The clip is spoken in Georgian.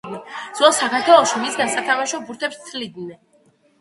ძველად საქართველოში მისგან სათამაშო ბურთებს თლიდნენ.